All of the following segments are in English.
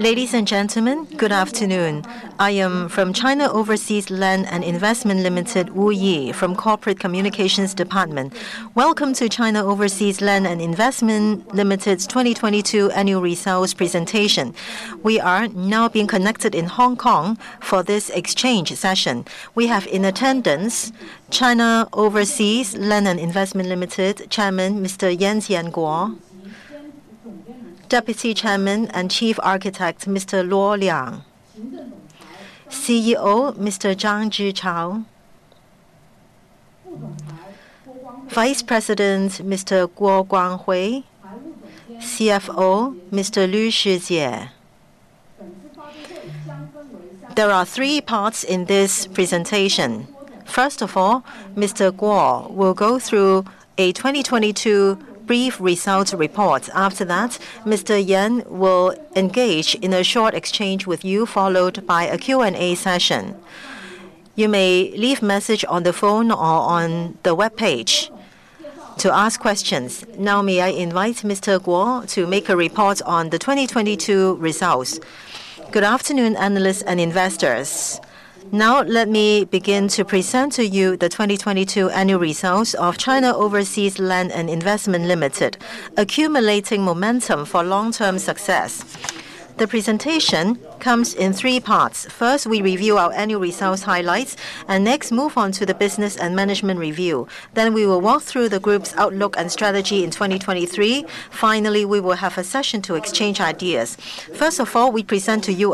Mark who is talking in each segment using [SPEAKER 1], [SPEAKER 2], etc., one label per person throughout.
[SPEAKER 1] Ladies and gentlemen, good afternoon. I am from China Overseas Land & Investment Limited, Wu Yi from Corporate Communications Department. Welcome to China Overseas Land & Investment Limited's 2022 annual results presentation. We are now being connected in Hong Kong for this exchange session. We have in attendance China Overseas Land & Investment Limited Chairman Mr. Yan Jianguo, Deputy Chairman and Chief Architect Mr. Luo Liang, CEO Mr. Zhang Zhichao, Vice President Mr. Guo Guanghui, CFO Mr. Lu Xijie. There are three parts in this presentation. First of all, Mr. Guo will go through a 2022 brief results report. After that, Mr. Yan will engage in a short exchange with you, followed by a Q&A session. You may leave message on the phone or on the webpage to ask questions. May I invite Mr. Guo to make a report on the 2022 results.
[SPEAKER 2] Good afternoon, analysts and investors. Now let me begin to present to you the 2022 annual results of China Overseas Land & Investment Limited, accumulating momentum for long-term success. The presentation comes in three parts. First, we review our annual results highlights, and next, move on to the business and management review. We will walk through the group's outlook and strategy in 2023. Finally, we will have a session to exchange ideas. First of all, we present to you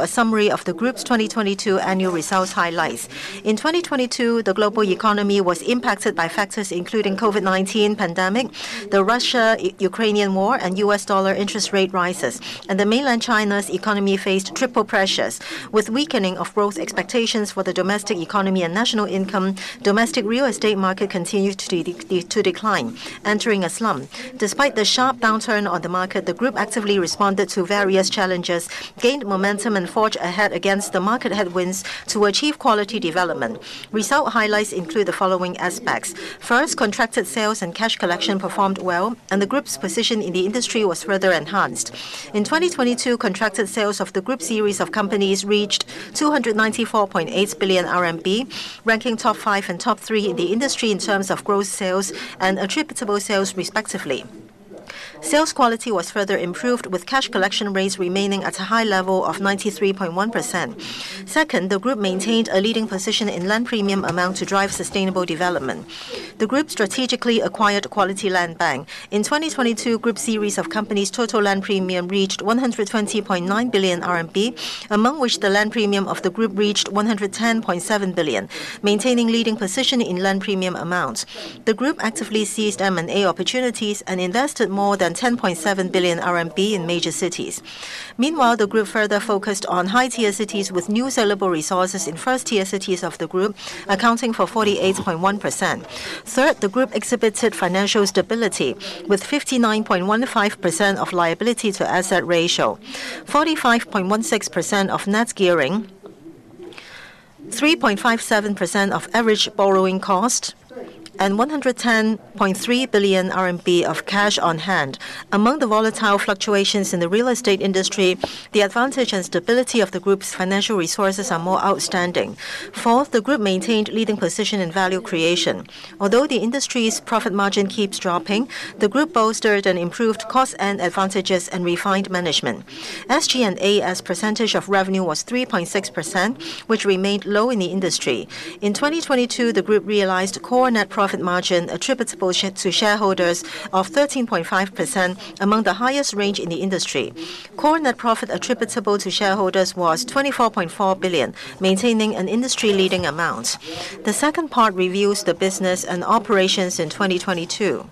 [SPEAKER 2] a summary of the group's 2022 annual results highlights. In 2022, the global economy was impacted by factors including COVID-19 pandemic, the Russia-Ukraine war, and US dollar interest rate rises. The Mainland China's economy faced triple pressures. With weakening of growth expectations for the domestic economy and national income, domestic real estate market continued to decline, entering a slump. Despite the sharp downturn on the market, the group actively responded to various challenges, gained momentum, and forged ahead against the market headwinds to achieve quality development. Result highlights include the following aspects. First, contracted sales and cash collection performed well, and the group's position in the industry was further enhanced. In 2022, contracted sales of the group series of companies reached 294.8 billion RMB, ranking top five and top three in the industry in terms of gross sales and attributable sales, respectively. Sales quality was further improved with cash collection rates remaining at a high level of 93.1%. Second, the group maintained a leading position in land premium amount to drive sustainable development. The group strategically acquired Quality Land Bank. In 2022, group series of companies' total land premium reached 120.9 billion RMB, among which the land premium of the group reached 110.7 billion, maintaining leading position in land premium amounts. The group actively seized M&A opportunities and invested more than 10.7 billion RMB in major cities. Meanwhile, the group further focused on high-tier cities with new sellable resources in first-tier cities of the group, accounting for 48.1%. Third, the group exhibited financial stability with 59.15% of liability-to-asset ratio, 45.16% of net gearing, 3.57% of average borrowing cost, and 110.3 billion RMB of cash on hand. Among the volatile fluctuations in the real estate industry, the advantage and stability of the group's financial resources are more outstanding. Fourth, the group maintained leading position in value creation. Although the industry's profit margin keeps dropping, the group bolstered an improved cost and advantages and refined management. SG&A as % of revenue was 3.6%, which remained low in the industry. In 2022, the group realized core net profit margin attributable to shareholders of 13.5%, among the highest range in the industry. Core net profit attributable to shareholders was 24.4 billion, maintaining an industry-leading amount. The second part reviews the business and operations in 2022.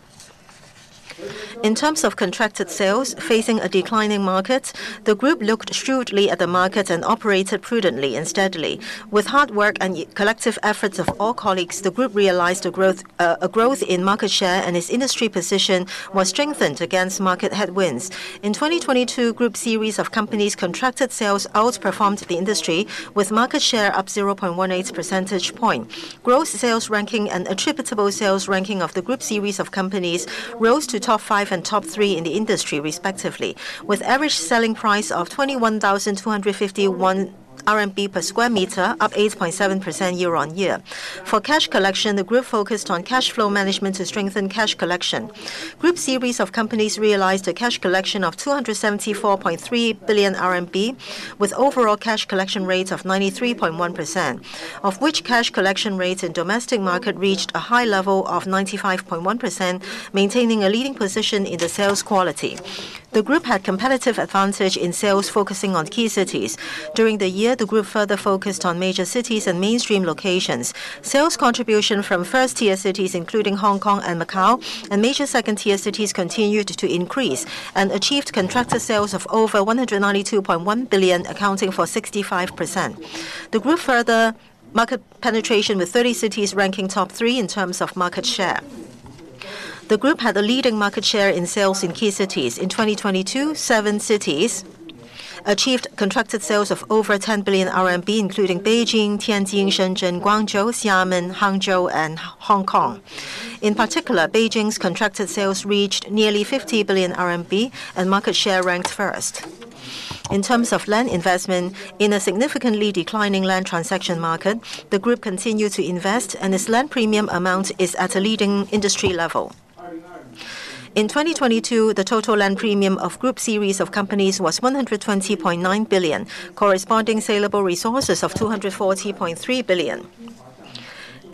[SPEAKER 2] In terms of contracted sales, facing a declining market, the group looked shrewdly at the market and operated prudently and steadily. With hard work and collective efforts of all colleagues, the group realized a growth in market share, and its industry position was strengthened against market headwinds. In 2022, group series of companies contracted sales outperformed the industry with market share up 0.18 percentage point. Growth sales ranking and attributable sales ranking of the group series of companies rose to top five and top three in the industry, respectively, with average selling price of 21,251 RMB per square meter, up 8.7% year-on-year. For cash collection, the group focused on cash flow management to strengthen cash collection. Group series of companies realized a cash collection of 274.3 billion RMB, with overall cash collection rates of 93.1%, of which cash collection rates in domestic market reached a high level of 95.1%, maintaining a leading position in the sales quality. The group had competitive advantage in sales focusing on key cities. During the year, the group further focused on major cities and mainstream locations. Sales contribution from first-tier cities, including Hong Kong and Macau, and major second-tier cities continued to increase and achieved contracted sales of over 192.1 billion, accounting for 65%. The group further market penetration with 30 cities ranking top three in terms of market share. The group had a leading market share in sales in key cities. In 2022, 7 cities achieved contracted sales of over 10 billion RMB, including Beijing, Tianjin, Shenzhen, Guangzhou, Xiamen, Hangzhou, and Hong Kong. In particular, Beijing's contracted sales reached nearly 50 billion RMB, and market share ranked first. In terms of land investment, in a significantly declining land transaction market, the group continued to invest and its land premium amount is at a leading industry level. In 2022, the total land premium of group series of companies was 120.9 billion, corresponding saleable resources of 240.3 billion.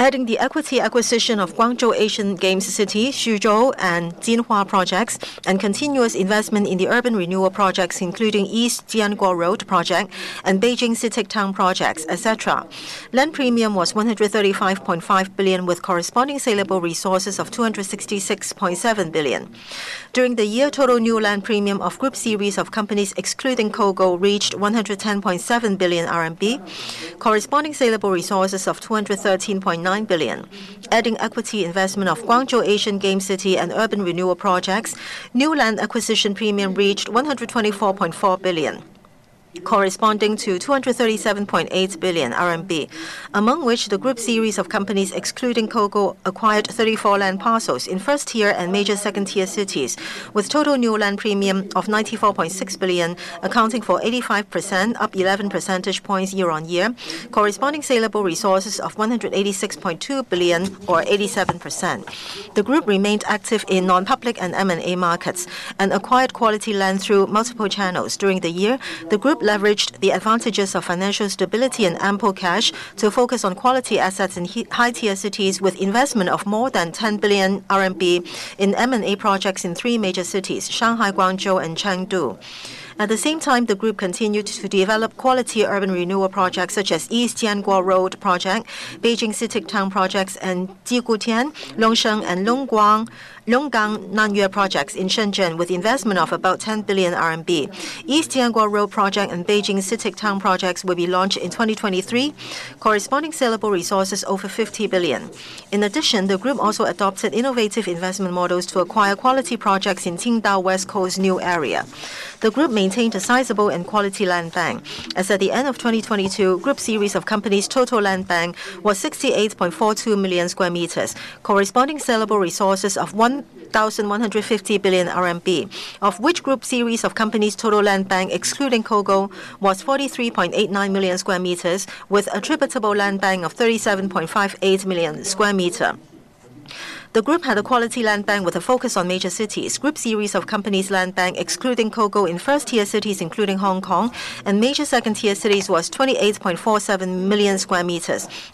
[SPEAKER 2] Adding the equity acquisition of Guangzhou Asian Games City, Xuzhou and Jinhua projects, and continuous investment in the urban renewal projects, including East Jianguo Road project and Beijing City Town projects, et cetera. Land premium was 135.5 billion with corresponding saleable resources of 266.7 billion. During the year, total new land premium of group series of companies excluding COGO reached 110.7 billion RMB, corresponding saleable resources of 213.9 billion. Adding equity investment of Guangzhou Asian Game City and urban renewal projects, new land acquisition premium reached 124.4 billion, corresponding to 237.8 billion RMB. Among which the group series of companies excluding COGO, acquired 34 land parcels in first-tier and major second-tier cities, with total new land premium of 94.6 billion, accounting for 85%, up 11 percentage points year on year. Corresponding saleable resources of 186.2 billion or 87%. The group remained active in non-public and M&A markets, and acquired quality land through multiple channels. During the year, the group leveraged the advantages of financial stability and ample cash to focus on quality assets in hi-high tier cities with investment of more than 10 billion RMB in M&A projects in three major cities, Shanghai, Guangzhou and Chengdu. At the same time, the group continued to develop quality urban renewal projects such as East Jianguo Road project, Beijing City Town projects and Jigutian, Longxiang and Longguan, Longgang Nanyue projects in Shenzhen, with investment of about 10 billion RMB. East Jianguo Road project and Beijing City Town projects will be launched in 2023, corresponding saleable resource is over 50 billion. In addition, the group also adopted innovative investment models to acquire quality projects in Qingdao West Coast new area. The group maintained a sizable and quality land bank, as at the end of 2022, group series of companies' total land bank was 68.42 million square meters, corresponding saleable resources of 1,150 billion RMB. Of which group series of companies' total land bank excluding COGO was 43.89 million sq m, with attributable land bank of 37.58 million sq m. The group had a quality land bank with a focus on major cities. Group series of companies land bank excluding COGO in first-tier cities, including Hong Kong, and major second-tier cities was 28.47 million sq m,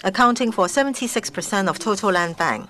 [SPEAKER 2] accounting for 76% of total land bank.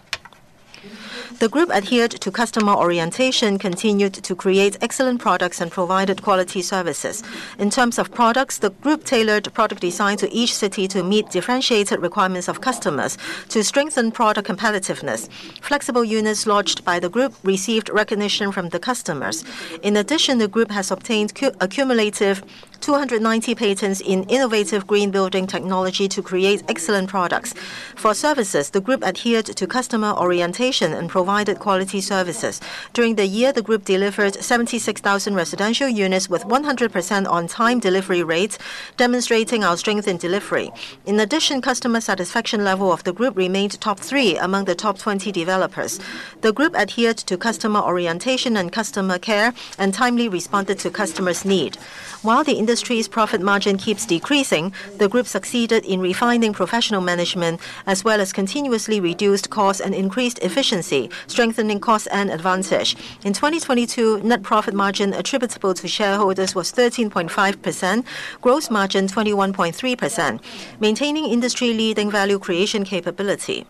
[SPEAKER 2] The group adhered to customer orientation, continued to create excellent products and provided quality services. In terms of products, the group tailored product design to each city to meet differentiated requirements of customers to strengthen product competitiveness. Flexible units lodged by the group received recognition from the customers. In addition, the group has obtained accumulative 290 patents in innovative green building technology to create excellent products. For services, the group adhered to customer orientation and provided quality services. During the year, the group delivered 76,000 residential units with 100% on time delivery rates, demonstrating our strength in delivery. In addition, customer satisfaction level of the group remained top three among the top 20 developers. The group adhered to customer orientation and customer care, and timely responded to customers' need. While the industry's profit margin keeps decreasing, the group succeeded in refining professional management, as well as continuously reduced cost and increased efficiency, strengthening cost and advantage. In 2022, net profit margin attributable to shareholders was 13.5%, gross margin 21.3%, maintaining industry leading value creation capability.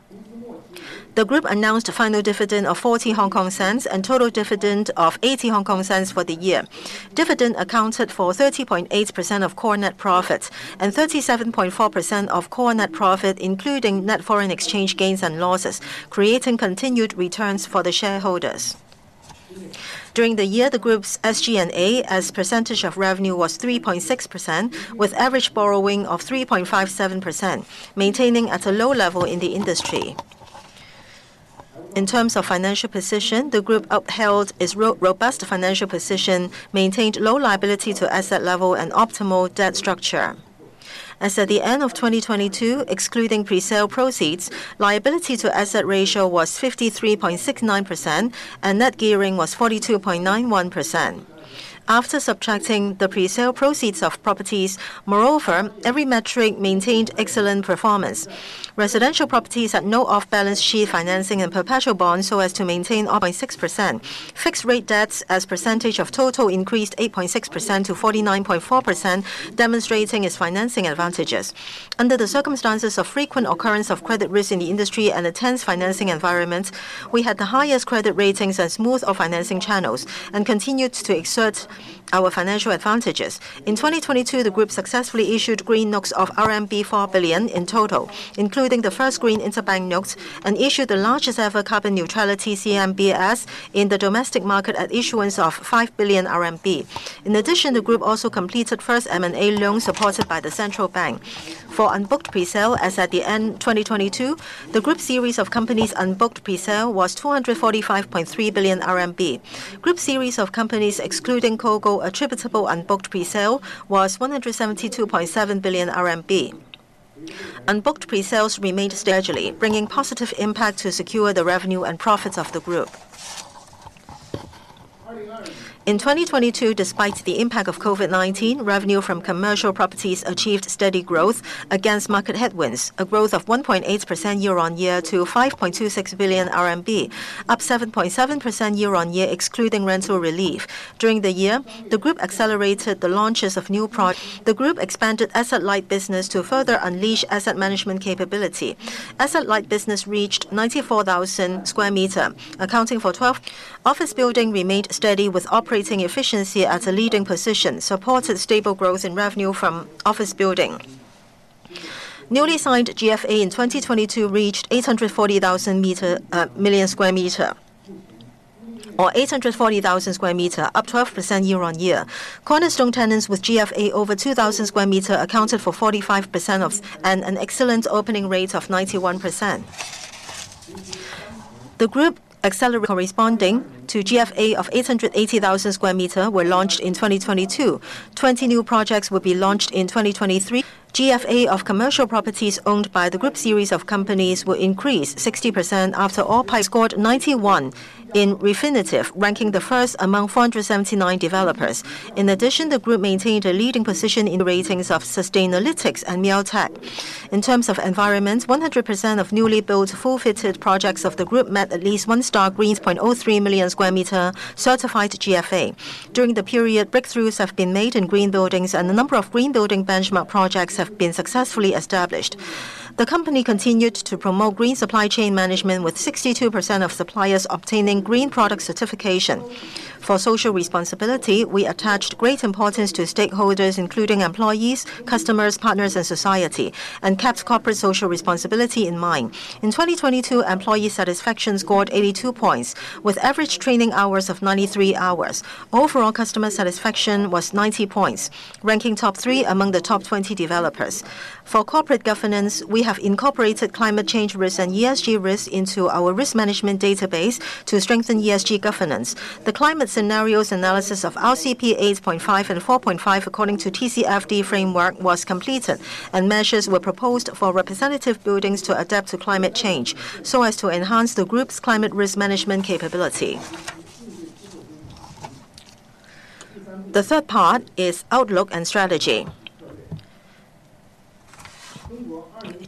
[SPEAKER 2] The group announced final dividend of 0.40 and total dividend of 0.80 for the year. Dividend accounted for 30.8% of core net profits and 37.4% of core net profit, including net foreign exchange gains and losses, creating continued returns for the shareholders. During the year, the group's SG&A, as percentage of revenue was 3.6%, with average borrowing of 3.57%, maintaining at a low level in the industry. In terms of financial position, the group upheld its robust financial position, maintained low liability to asset level and optimal debt structure. As at the end of 2022, excluding presale proceeds, liability to asset ratio was 53.69% and net gearing was 42.91%. After subtracting the presale proceeds of properties, moreover, every metric maintained excellent performance. Residential properties had no off balance sheet financing and perpetual bonds so as to maintain all by 6%. Fixed-rate debts as percentage of total increased 8.6%-49.4%, demonstrating its financing advantages. Under the circumstances of frequent occurrence of credit risk in the industry and intense financing environments, we had the highest credit ratings and smooth our financing channels, and continued to exert our financial advantages. In 2022, the group successfully issued green notes of RMB 4 billion in total, including the first green interbank notes, and issued the largest ever carbon neutrality CNBs in the domestic market at issuance of 5 billion RMB. In addition, the group also completed first M&A loan supported by the Central Bank. For In 2022, despite the impact of COVID-19, revenue from commercial properties achieved steady growth against market headwinds, a growth of 1.8% year-on-year to 5.26 billion RMB, up 7.7% year-on-year, excluding rental relief. During the year, the group expanded asset light business to further unleash asset management capability. Asset light business reached 94,000 square meter, accounting for twelve. Office building remained steady with operating efficiency at a leading position, supported stable growth in revenue from office building. Newly signed GFA in 2022 reached 840,000 meter, million square meter or 840,000 square meter, up 12% year-on-year. Cornerstone tenants with GFA over 2,000 square meter accounted for 45% of, and an excellent opening rate of 91%. The group accelerated corresponding to GFA of 880,000 square meter were launched in 2022. 20 new projects will be launched in 2023. GFA of commercial properties owned by the group series of companies will increase 60% after all. Scored 91 in Refinitiv, ranking the first among 479 developers. In addition, the group maintained a leading position in ratings of Sustainalytics and MioTech. In terms of environments, 100% of newly built full fitted projects of the group met at least one-star green 0.03 million square meter certified GFA. During the period, breakthroughs have been made in green buildings and the number of green building benchmark projects have been successfully established. The company continued to promote green supply chain management with 62% of suppliers obtaining green product certification. For social responsibility, we attached great importance to stakeholders, including employees, customers, partners, and society, and kept corporate social responsibility in mind. In 2022, employee satisfaction scored 82 points, with average training hours of 93 hours. Overall customer satisfaction was 90 points, ranking top three among the top 20 developers. For corporate governance, we have incorporated climate change risk and ESG risk into our risk management database to strengthen ESG governance. The climate scenarios analysis of RCP 8.5 and 4.5 according to TCFD framework was completed. Measures were proposed for representative buildings to adapt to climate change so as to enhance the group's climate risk management capability. The third part is outlook and strategy.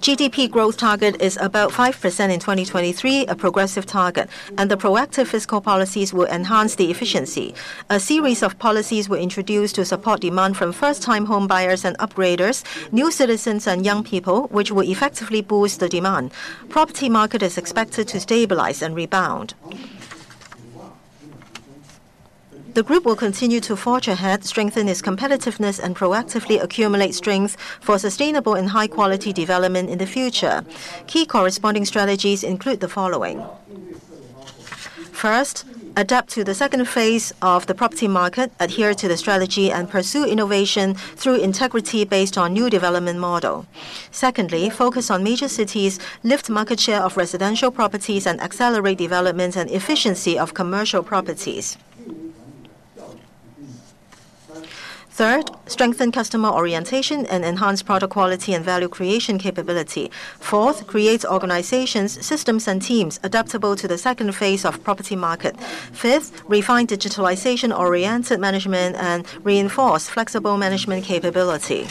[SPEAKER 2] GDP growth target is about 5% in 2023, a progressive target. The proactive fiscal policies will enhance the efficiency. A series of policies were introduced to support demand from first-time home buyers and upgraders, new citizens and young people, which will effectively boost the demand. Property market is expected to stabilize and rebound. The group will continue to forge ahead, strengthen its competitiveness, and proactively accumulate strength for sustainable and high quality development in the future. Key corresponding strategies include the following. First, adapt to the second phase of the property market, adhere to the strategy, and pursue innovation through integrity based on new development model. Secondly, focus on major cities, lift market share of residential properties, and accelerate development and efficiency of commercial properties. Third, strengthen customer orientation and enhance product quality and value creation capability. Fourth, create organizations, systems and teams adaptable to the second phase of property market. Fifth, refine digitalization-oriented management and reinforce flexible management capability.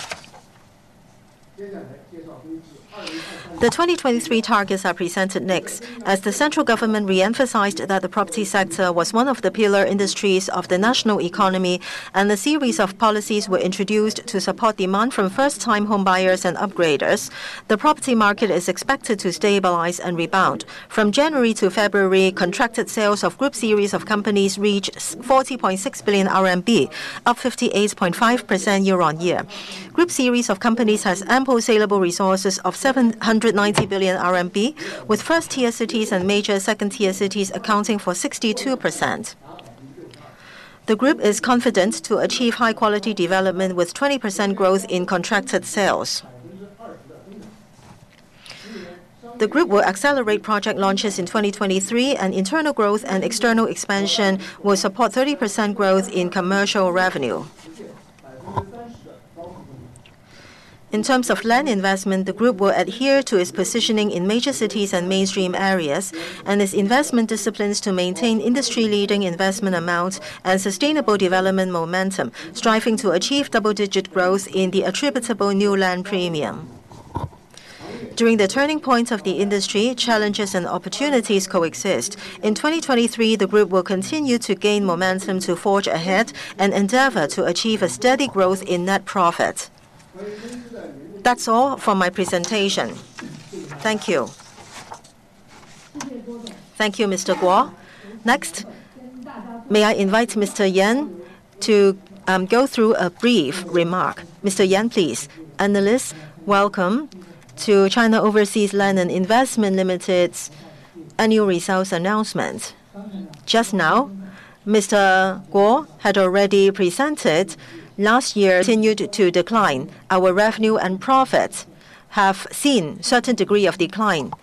[SPEAKER 2] The 2023 targets are presented next. The central government re-emphasized that the property sector was one of the pillar industries of the national economy, and a series of policies were introduced to support demand from first-time home buyers and upgraders. The property market is expected to stabilize and rebound. From January to February, contracted sales of group series of companies reached 40.6 billion RMB, up 58.5% year-on-year. Group series of companies has ample saleable resources of 790 billion RMB, with first-tier cities and major second-tier cities accounting for 62%. The group is confident to achieve high quality development with 20% growth in contracted sales. The group will accelerate project launches in 2023, and internal growth and external expansion will support 30% growth in commercial revenue. In terms of land investment, the group will adhere to its positioning in major cities and mainstream areas, and its investment disciplines to maintain industry leading investment amounts and sustainable development momentum, striving to achieve double-digit growth in the attributable new land premium. During the turning point of the industry, challenges and opportunities coexist. In 2023, the group will continue to gain momentum to forge ahead and endeavor to achieve a steady growth in net profit. That's all for my presentation. Thank you.
[SPEAKER 1] Thank you, Mr. Guo. Next, may I invite Mr. Yan to go through a brief remark. Mr. Yan, please.
[SPEAKER 3] Analysts, welcome to China Overseas Land & Investment Limited's annual results announcement. Just now, Mr. Guo had already presented last year continued to decline. Our revenue and profits have seen certain degree of decline.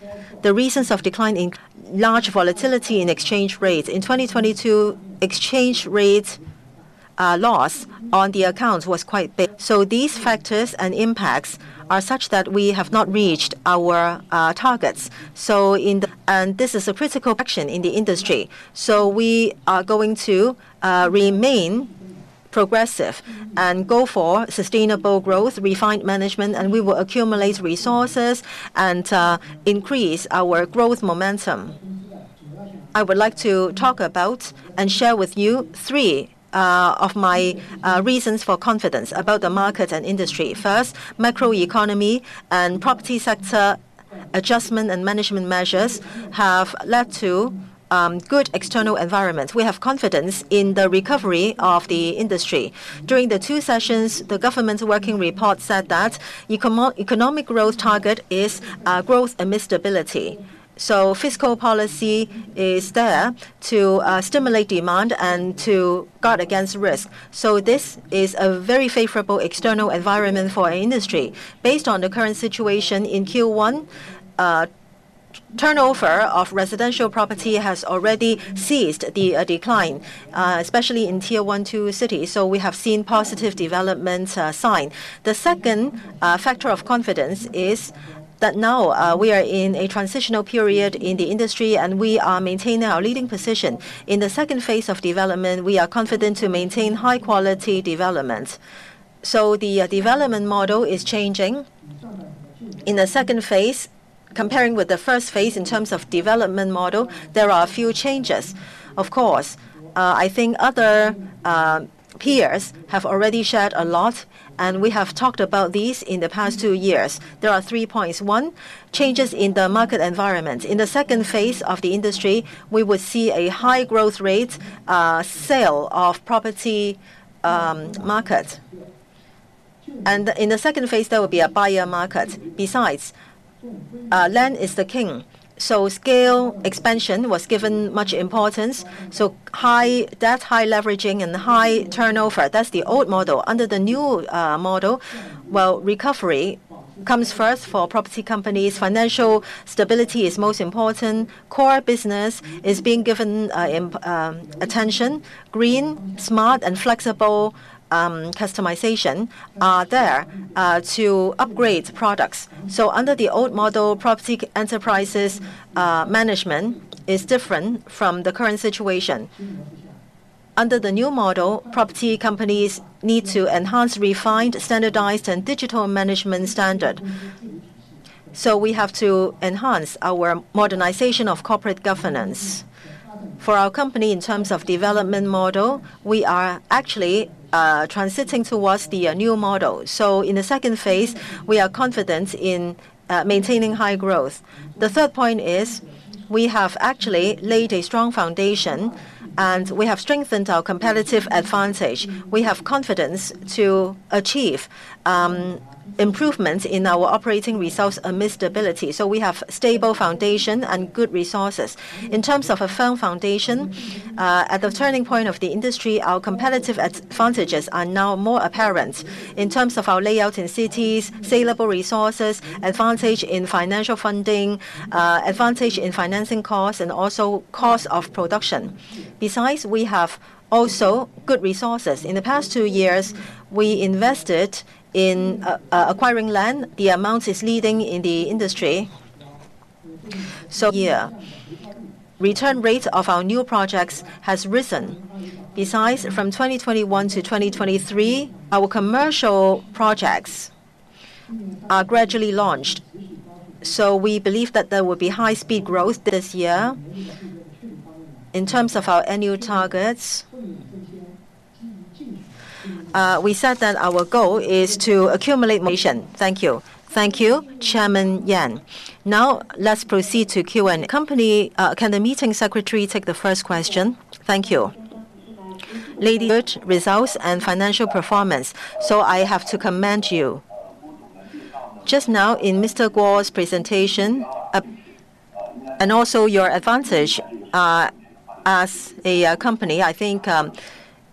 [SPEAKER 3] The reasons of decline in large volatility in exchange rates. In 2022, exchange rates loss on the accounts was quite big. These factors and impacts are such that we have not reached our targets. In the... this is a critical action in the industry. We are going to remain progressive and go for sustainable growth, refined management, and we will accumulate resources and increase our growth momentum. I would like to talk about and share with you three of my reasons for confidence about the market and industry. First, macroeconomy and property sector adjustment and management measures have led to good external environment. We have confidence in the recovery of the industry. During the two sessions, the government's working report said that economic growth target is growth and mid-stability. Fiscal policy is there to stimulate demand and to guard against risk. This is a very favorable external environment for our industry. Based on the current situation in Q1, turnover of residential property has already ceased the decline, especially in Tier one, two cities. We have seen positive development sign. The second factor of confidence is that now we are in a transitional period in the industry, and we are maintaining our leading position. In the second phase of development, we are confident to maintain high-quality developments. The development model is changing. In the second phase, comparing with the first phase in terms of development model, there are a few changes. Of course, I think other peers have already shared a lot, and we have talked about these in the past two years. There are three points. One, changes in the market environment. In the second phase of the industry, we will see a high growth rate sale of property market. In the second phase, there will be a buyer market. Besides, land is the king, scale expansion was given much importance. High leveraging and high turnover, that's the old model. Under the new model, well, recovery comes first for property companies. Financial stability is most important. Core business is being given attention. Green, smart and flexible customization are there to upgrade products. Under the old model, property enterprises' management is different from the current situation. Under the new model, property companies need to enhance, refined, standardized and digital management standard. We have to enhance our modernization of corporate governance. For our company, in terms of development model, we are actually transiting towards the new model. In the second phase, we are confident in maintaining high growth. The third point is, we have actually laid a strong foundation, and we have strengthened our competitive advantage. We have confidence to achieve improvements in our operating results amid stability. We have stable foundation and good resources. In terms of a firm foundation, at the turning point of the industry, our competitive advantages are now more apparent in terms of our layout in cities, saleable resources, advantage in financial funding, advantage in financing costs and also cost of production. Besides, we have also good resources. In the past two years, we invested in acquiring land. The amount is leading in the industry. Return rate of our new projects has risen. Besides, from 2021 to 2023, our commercial projects are gradually launched. We believe that there will be high speed growth this year. In terms of our annual targets, we said that our goal is to. Thank you.
[SPEAKER 1] Thank you, Chairman Yan.
[SPEAKER 2] Let's proceed to Q&A. Company, can the meeting secretary take the first question? Thank you.
[SPEAKER 4] Results and financial performance, I have to commend you. Just now, in Mr. Guo's presentation, and also your advantage, as a company, I think,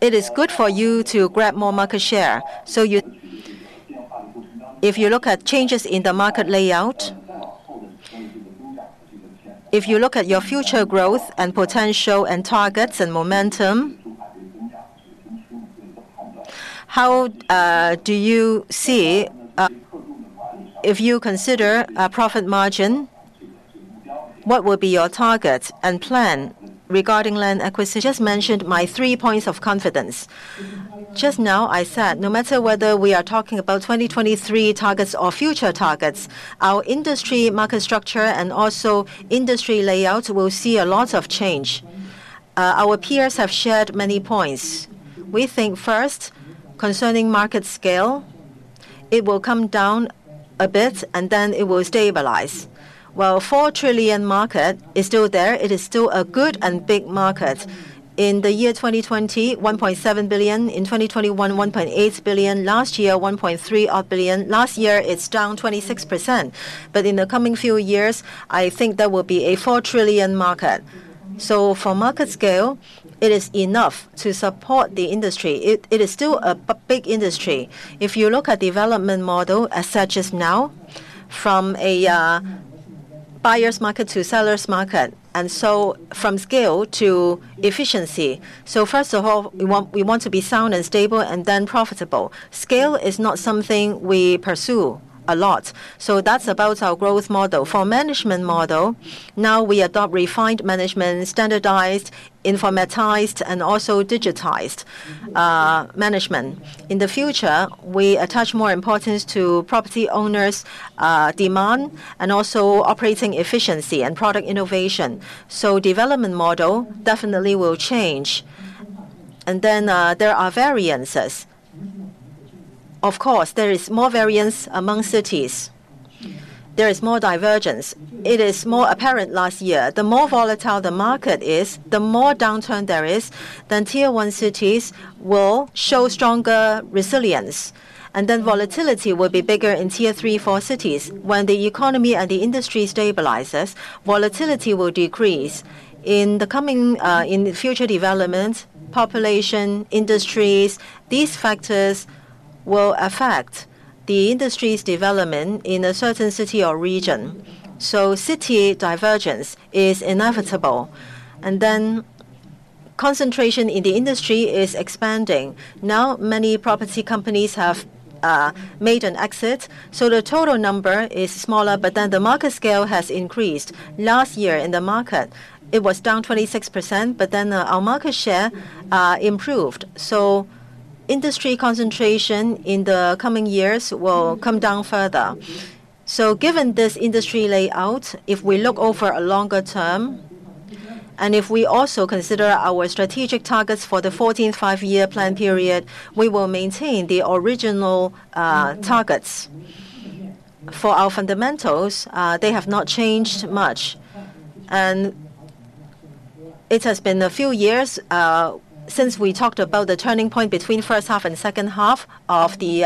[SPEAKER 4] it is good for you to grab more market share. If you look at changes in the market layout, if you look at your future growth and potential and targets and momentum, how do you see, if you consider a profit margin, what will be your target and plan regarding land acquisition? I just mentioned my three points of confidence.
[SPEAKER 3] Just now, I said no matter whether we are talking about 2023 targets or future targets, our industry market structure and also industry layouts will see a lot of change. Our peers have shared many points. We think first, concerning market scale, it will come down a bit, and then it will stabilize. Well, 4 trillion market is still there. It is still a good and big market. In the year 2020, 1.7 billion. In 2021, 1.8 billion. Last year, 1.3 odd billion. Last year, it's down 26%. In the coming few years, I think there will be a 4 trillion market. For market scale, it is enough to support the industry. It is still a big industry. If you look at development model as such as now, from a Buyer's market to seller's market, from scale to efficiency. First of all, we want to be sound and stable and then profitable. Scale is not something we pursue a lot. That's about our growth model. For management model, now we adopt refined management, standardized, informatized, and also digitized management. In the future, we attach more importance to property owners' demand and also operating efficiency and product innovation. Development model definitely will change. There are variances. Of course, there is more variance among cities. There is more divergence. It is more apparent last year. The more volatile the market is, the more downturn there is, Tier One cities will show stronger resilience, volatility will be bigger in Tier Three, Four cities. When the economy and the industry stabilizes, volatility will decrease. In the coming, in the future development, population, industries, these factors will affect the industry's development in a certain city or region. City divergence is inevitable. Concentration in the industry is expanding. Many property companies have made an exit, so the total number is smaller, but then the market scale has increased. Last year in the market, it was down 26%, but then our market share improved. Industry concentration in the coming years will come down further. Given this industry layout, if we look over a longer term, and if we also consider our strategic targets for the 14th Five-Year Plan period, we will maintain the original targets. For our fundamentals, they have not changed much. It has been a few years since we talked about the turning point between first half and second half of the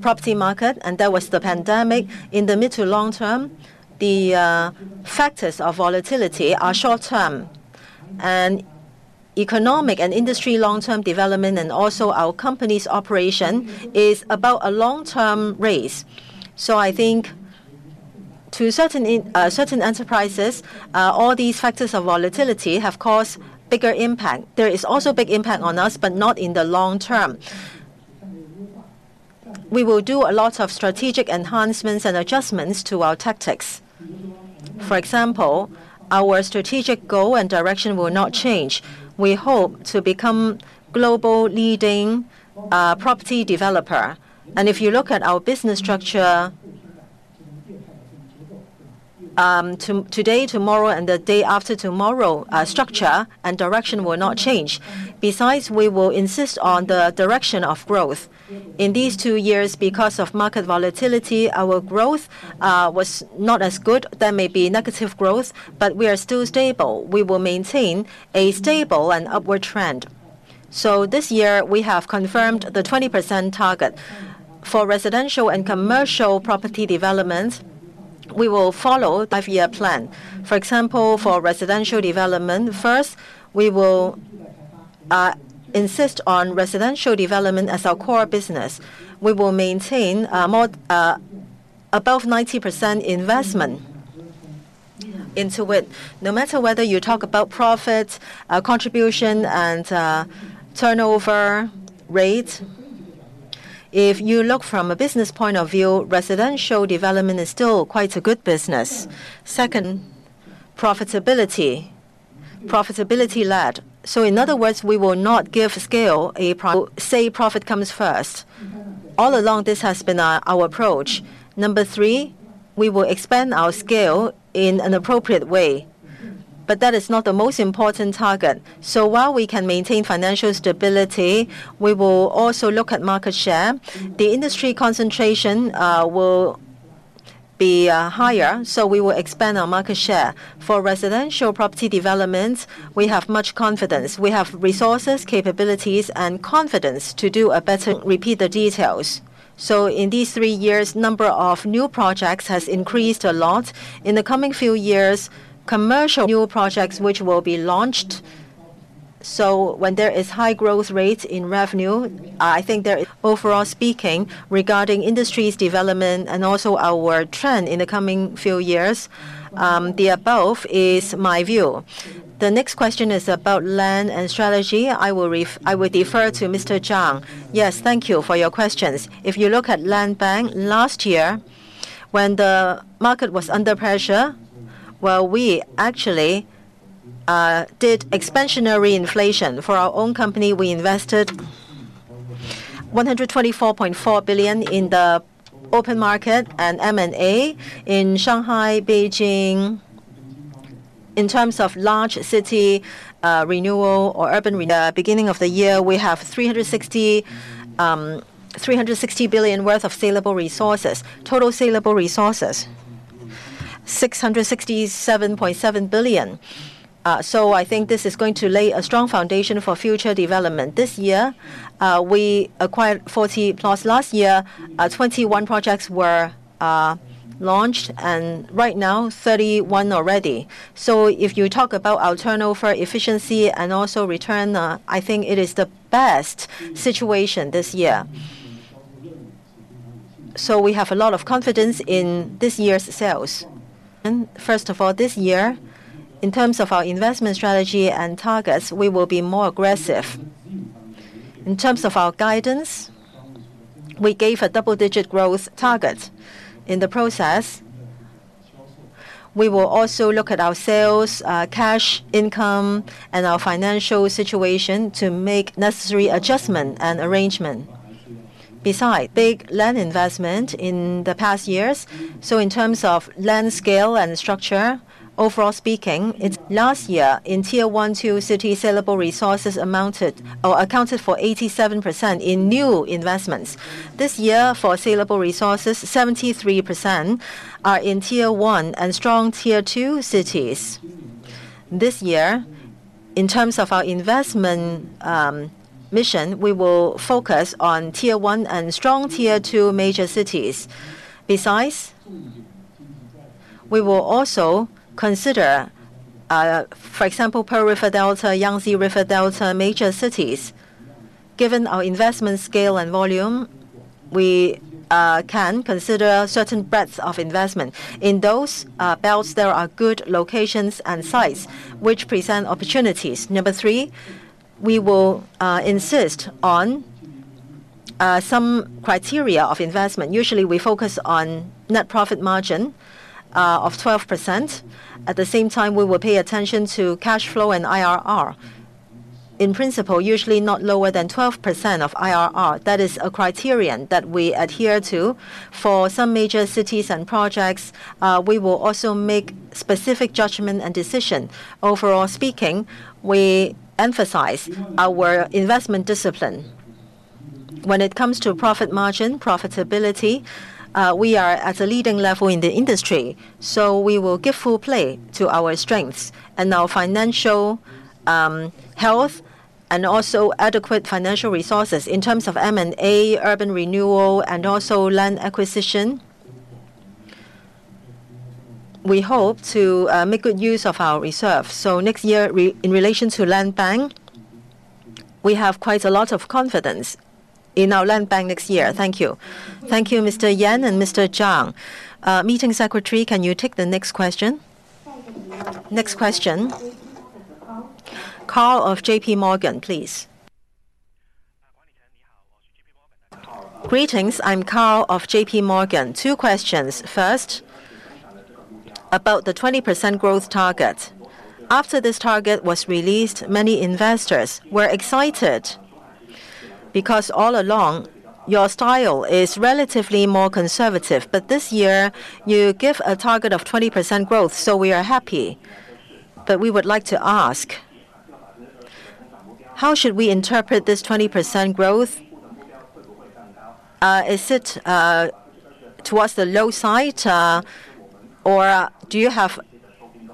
[SPEAKER 3] property market, and there was the pandemic. In the mid to long term, the factors of volatility are short term. Economic and industry long-term development, and also our company's operation, is about a long-term raise. I think to certain enterprises, all these factors of volatility have caused bigger impact. There is also big impact on us, but not in the long term. We will do a lot of strategic enhancements and adjustments to our tactics. For example, our strategic goal and direction will not change. We hope to become global leading property developer. If you look at our business structure, today, tomorrow, and the day after tomorrow, our structure and direction will not change. We will insist on the direction of growth. In these two years, because of market volatility, our growth was not as good. There may be negative growth. We are still stable. We will maintain a stable and upward trend. This year we have confirmed the 20% target. For residential and commercial property developments, we will follow five-year plan. For example, for residential development, first, we will insist on residential development as our core business. We will maintain above 90% investment into it. No matter whether you talk about profit contribution, and turnover rate, if you look from a business point of view, residential development is still quite a good business. Second, profitability. Profitability led. In other words, we will not give scale. Say profit comes first. All along, this has been our approach. Number three, we will expand our scale in an appropriate way. That is not the most important target. While we can maintain financial stability, we will also look at market share. The industry concentration will be higher. We will expand our market share. For residential property developments, we have much confidence. We have resources, capabilities, and confidence to do a better repeat the details. In these three years, number of new projects has increased a lot. In the coming few years, commercial new projects which will be launched. When there is high growth rates in revenue. Overall speaking, regarding industry's development and also our trend in the coming few years, the above is my view.
[SPEAKER 1] The next question is about land and strategy. I will defer to Mr. Zhang.
[SPEAKER 2] Yes. Thank you for your questions. If you look at land bank, last year when the market was under pressure, well, we actually did expansionary inflation. For our own company, we invested 124.4 billion in the open market and M&A in Shanghai, Beijing. In terms of large city renewal or urban At the beginning of the year, we have 360 billion worth of saleable resources. Total saleable resources, 667.7 billion. I think this is going to lay a strong foundation for future development. This year, we acquired 40+. Last year, 21 projects were launched and right now 31 already. If you talk about our turnover efficiency and also return, I think it is the best situation this year. We have a lot of confidence in this year's sales. First of all, this year, in terms of our investment strategy and targets, we will be more aggressive. In terms of our guidance, we gave a double-digit growth target. In the process, we will also look at our sales, cash, income, and our financial situation to make necessary adjustment and arrangement. Besides big land investment in the past years, in terms of land scale and structure, overall speaking, it's last year in tier one, two city sellable resources amounted or accounted for 87% in new investments. This year, for sellable resources, 73% are in tier one and strong tier two cities. This year, in terms of our investment mission, we will focus on tier one and strong tier two major cities. Besides, we will also consider, for example, Pearl River Delta, Yangtze River Delta major cities. Given our investment scale and volume, we can consider certain breadth of investment. In those belts, there are good locations and sites which present opportunities. Number three, we will insist on some criteria of investment. Usually, we focus on net profit margin of 12%. At the same time, we will pay attention to cash flow and IRR. In principle, usually not lower than 12% of IRR. That is a criterion that we adhere to. For some major cities and projects, we will also make specific judgment and decision. Overall speaking, we emphasize our investment discipline. When it comes to profit margin, profitability, we are at a leading level in the industry. We will give full play to our strengths and our financial health and also adequate financial resources in terms of M&A, urban renewal, and also land acquisition. We hope to make good use of our reserves. Next year, in relation to land bank, we have quite a lot of confidence in our land bank next year. Thank you. Thank you, Mr. Yan and Mr. Zhang. Meeting secretary, can you take the next question?
[SPEAKER 1] Next question. Karl of JP Morgan, please.
[SPEAKER 5] Greetings, I'm Karl of JP Morgan. Two questions. First, about the 20% growth target. After this target was released, many investors were excited because all along, your style is relatively more conservative. This year, you give a target of 20% growth, so we are happy. We would like to ask, how should we interpret this 20% growth? Is it towards the low side, or do you have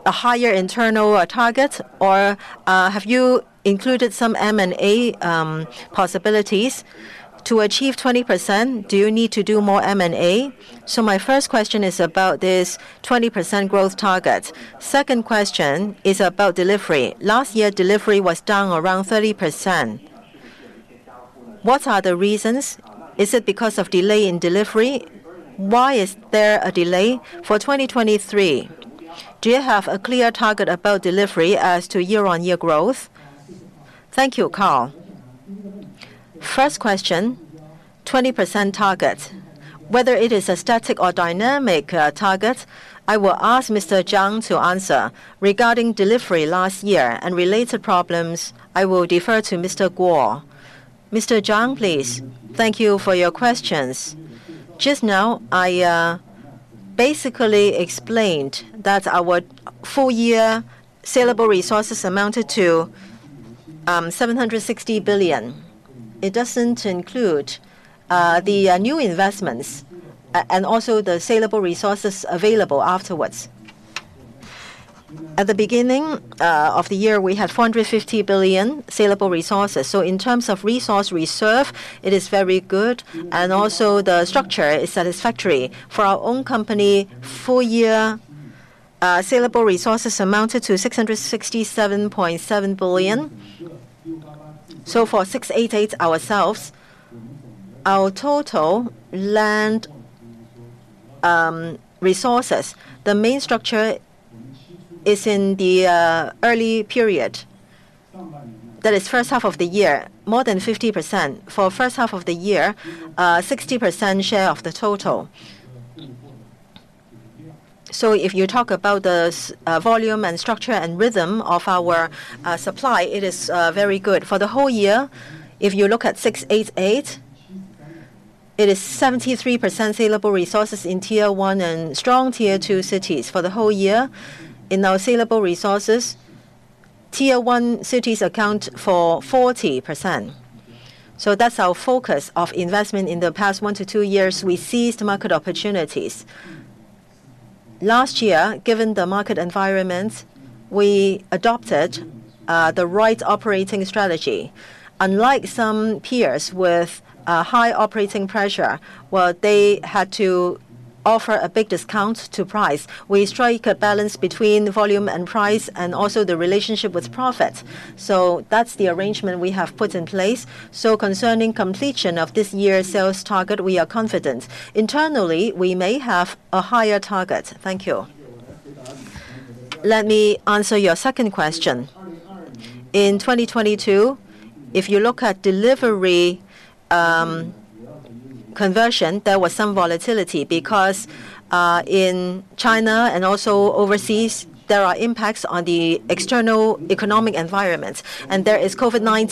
[SPEAKER 5] a higher internal target, or have you included some M&A possibilities to achieve 20%? Do you need to do more M&A? My first question is about this 20% growth target. Second question is about delivery. Last year, delivery was down around 30%. What are the reasons? Is it because of delay in delivery? Why is there a delay for 2023? Do you have a clear target about delivery as to year-on-year growth?
[SPEAKER 3] Thank you, Karl. First question, 20% target. Whether it is a static or dynamic target, I will ask Mr. Zhang to answer. Regarding delivery last year and related problems, I will defer to Mr. Guo. Mr. Zhang, please.
[SPEAKER 6] Thank you for your questions. Just now, I basically explained that our full year sellable resources amounted to 760 billion. It doesn't include the new investments and also the sellable resources available afterwards. At the beginning of the year, we had 450 billion sellable resources. In terms of resource reserve, it is very good, and also the structure is satisfactory. For our own company, full year sellable resources amounted to 667.7 billion. For 0688 ourselves, our total land resources, the main structure is in the early period. That is first half of the year, more than 50%. For first half of the year, 60% share of the total. If you talk about the volume and structure and rhythm of our supply, it is very good. For the whole year, if you look at 0688, it is 73% sellable resources in Tier one and strong Tier two cities. For the whole year, in our sellable resources, tier one cities account for 40%. That's our focus of investment. In the past one to two years, we seized market opportunities. Last year, given the market environment, we adopted the right operating strategy. Unlike some peers with high operating pressure, well, they had to offer a big discount to price. We strike a balance between the volume and price and also the relationship with profit. That's the arrangement we have put in place. Concerning completion of this year's sales target, we are confident. Internally, we may have a higher target. Thank you.
[SPEAKER 2] Let me answer your second question. In 2022, if you look at delivery, conversion, there was some volatility because in China and also overseas, there are impacts on the external economic environment, and there is COVID-19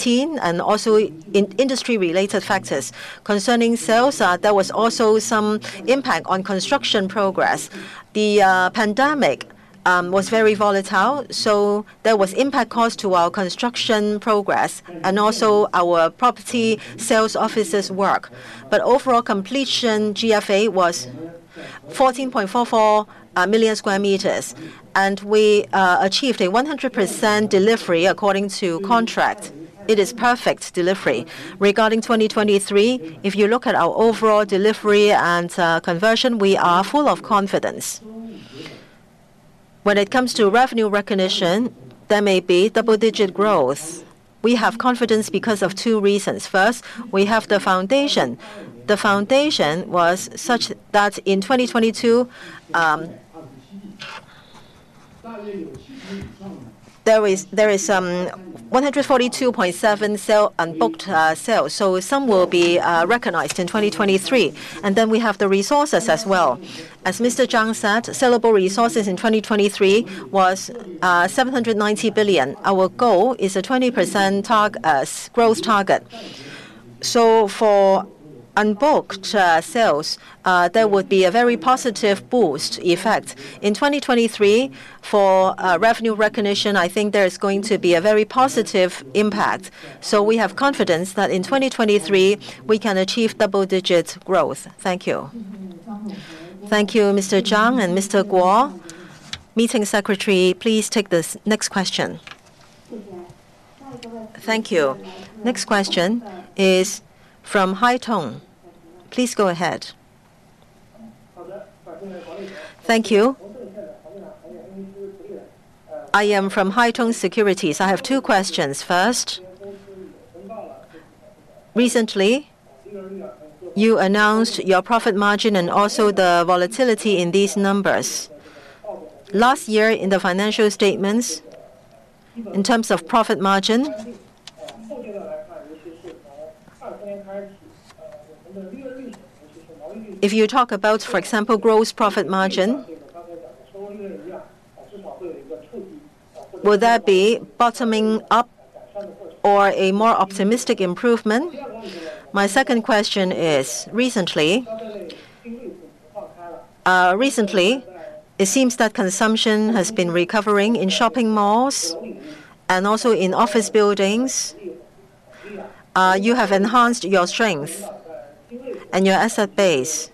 [SPEAKER 2] and also in-industry related factors. Concerning sales, there was also some impact on construction progress. The pandemic was very volatile. There was impact cost to our construction progress and also our property sales offices work. Overall completion GFA was 14.44 million square meters, and we achieved a 100% delivery according to contract. It is perfect delivery. Regarding 2023, if you look at our overall delivery and conversion, we are full of confidence. When it comes to revenue recognition, there may be double-digit growth. We have confidence because of two reasons. First, we have the foundation. The foundation was such that in 2022, there is 142.7 sale, unbooked sales. Some will be recognized in 2023. We have the resources as well. As Mr. Zhang said, sellable resources in 2023 was 790 billion. Our goal is a 20% growth target. For unbooked sales, there would be a very positive boost effect. In 2023, for revenue recognition, I think there is going to be a very positive impact. We have confidence that in 2023, we can achieve double-digit growth. Thank you.
[SPEAKER 5] Thank you, Mr. Zhang and Mr. Guo.
[SPEAKER 2] Meeting secretary, please take this next question.
[SPEAKER 1] Thank you. Next question is from Haitong. Please go ahead.
[SPEAKER 7] Thank you. I am from Haitong Securities. I have two questions. First, recently, you announced your profit margin and also the volatility in these numbers. Last year, in the financial statements, in terms of profit margin, if you talk about, for example, gross profit margin, would that be bottoming up or a more optimistic improvement? My second question is, recently, it seems that consumption has been recovering in shopping malls and also in office buildings. You have enhanced your strength and your asset base.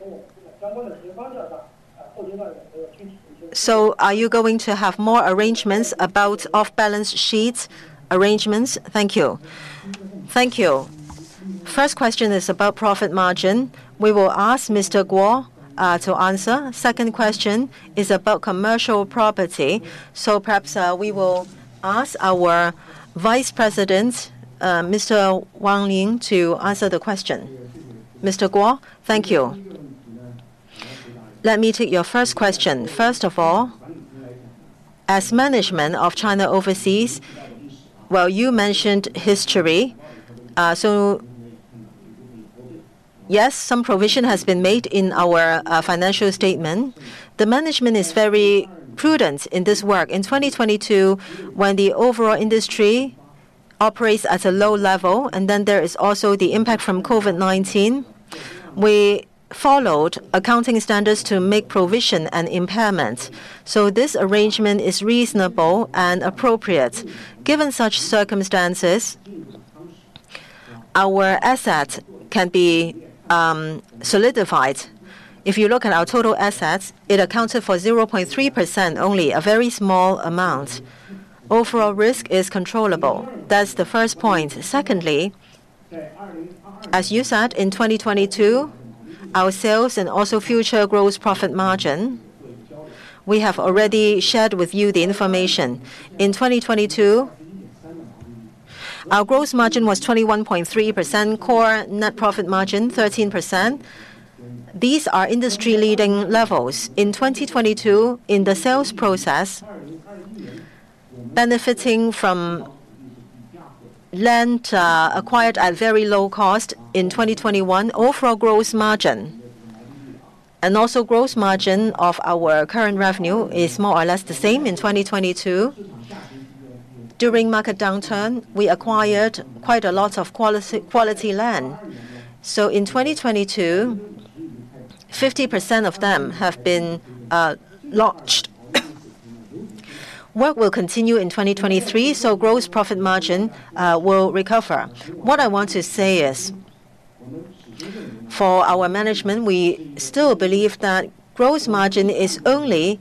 [SPEAKER 7] Are you going to have more arrangements about off-balance sheets arrangements? Thank you.
[SPEAKER 1] First question is about profit margin. We will ask Mr. Guo to answer. Second question is about commercial property. Perhaps, we will ask our Vice President, Mr. Guanghui, to answer the question. Mr. Guo. Thank you.
[SPEAKER 2] Let me take your first question. First of all, as management of China Overseas, well, you mentioned history. Yes, some provision has been made in our financial statement. The management is very prudent in this work. In 2022, when the overall industry operates at a low level, there is also the impact from COVID-19, we followed accounting standards to make provision and impairment. This arrangement is reasonable and appropriate. Given such circumstances, our asset can be solidified. If you look at our total assets, it accounted for 0.3% only, a very small amount. Overall risk is controllable. That's the first point. Secondly, as you said, in 2022, our sales and also future gross profit margin, we have already shared with you the information. In 2022, our gross margin was 21.3%, core net profit margin 13%. These are industry-leading levels. In 2022, in the sales process, benefiting from land acquired at very low cost in 2021, overall gross margin and also gross margin of our current revenue is more or less the same in 2022. During market downturn, we acquired quite a lot of quality land. In 2022, 50% of them have been launched. Work will continue in 2023, gross profit margin will recover. What I want to say is, for our management, we still believe that gross margin is only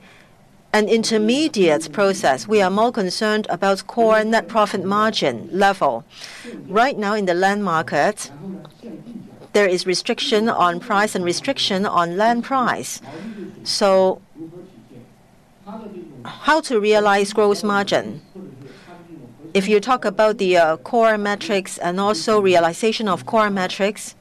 [SPEAKER 2] an intermediate process, we are more concerned about core net profit margin level. Right now in the land market, there is restriction on price and restriction on land price. How to realize gross margin? If you talk about the core metrics and also realization of core metrics,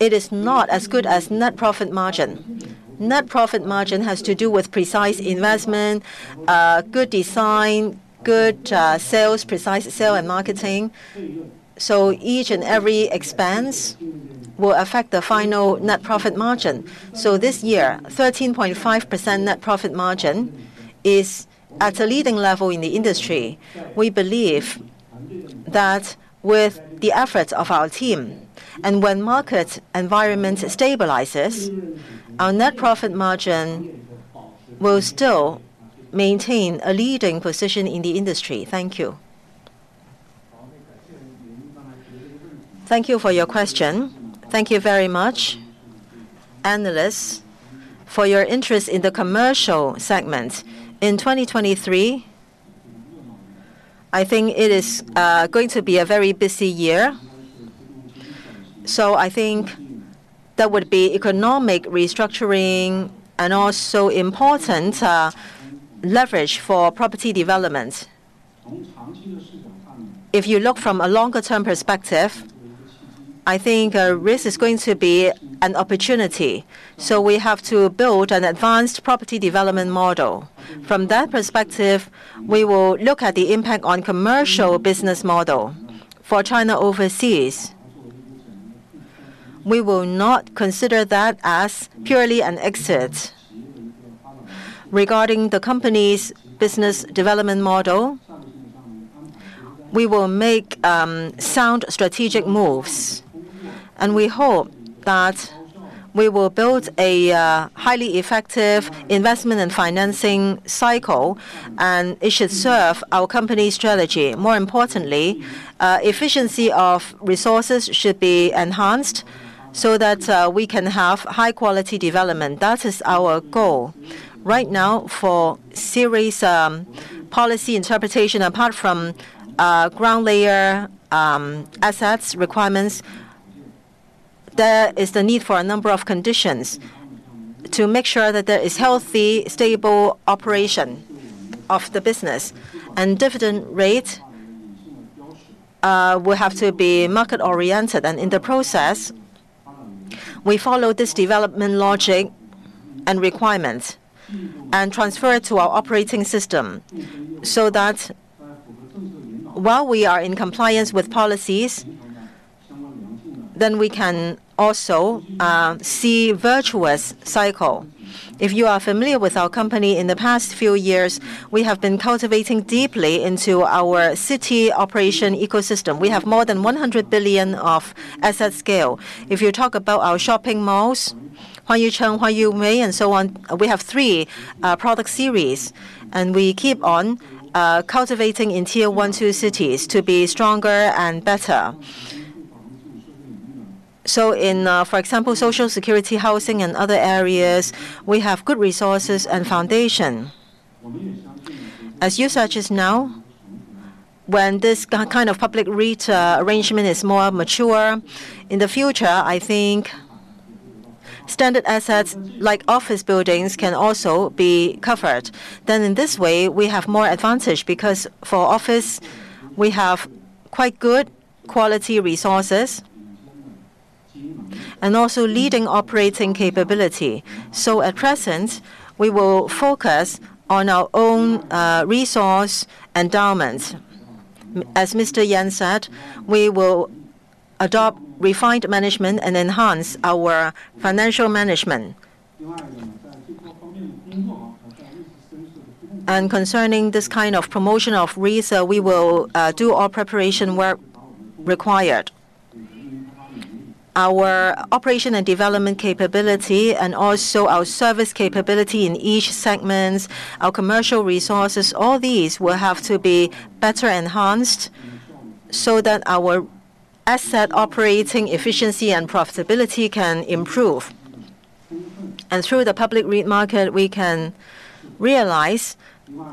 [SPEAKER 2] it is not as good as net profit margin. Net profit margin has to do with precise investment, good design, good sales, precise sale and marketing. Each and every expense will affect the final net profit margin. This year, 13.5% net profit margin is at a leading level in the industry. We believe that with the efforts of our team, and when market environment stabilizes, our net profit margin will still maintain a leading position in the industry.
[SPEAKER 7] Thank you.
[SPEAKER 2] Thank you for your question.
[SPEAKER 3] Thank you very much, analysts, for your interest in the commercial segment. In 2023, I think it is going to be a very busy year. I think there would be economic restructuring and also important leverage for property development. If you look from a longer term perspective, I think risk is going to be an opportunity. We have to build an advanced property development model. From that perspective, we will look at the impact on commercial business model. For China Overseas, we will not consider that as purely an exit. Regarding the company's business development model, we will make sound strategic moves. We hope that we will build a highly effective investment and financing cycle, and it should serve our company strategy. More importantly, efficiency of resources should be enhanced so that we can have high quality development. That is our goal. Right now for series, policy interpretation, apart from ground layer, assets requirements, there is the need for a number of conditions to make sure that there is healthy, stable operation of the business. Dividend rate will have to be market-oriented. In the process, we follow this development logic and requirement and transfer it to our operating system, so that while we are in compliance with policies, we can also see virtuous cycle. If you are familiar with our company, in the past few years, we have been cultivating deeply into our city operation ecosystem. We have more than 100 billion of asset scale. If you talk about our shopping malls, Huayu Cheng, Huayu Hui, and so on, we have three product series, and we keep on cultivating in tier one, two cities to be stronger and better. In, for example, Social Security housing and other areas, we have good resources and foundation. As you searches now, when this kind of public REIT arrangement is more mature, in the future, I think standard assets like office buildings can also be covered.
[SPEAKER 6] In this way, we have more advantage because for office we have quite good quality resources and also leading operating capability. At present, we will focus on our own resource endowments.
[SPEAKER 2] As Mr. Yan said, we will adopt refined management and enhance our financial management. Concerning this kind of promotion of REITs, we will do all preparation work required. Our operation and development capability and also our service capability in each segments, our commercial resources, all these will have to be better enhanced so that our asset operating efficiency and profitability can improve. Through the public REIT market, we can realize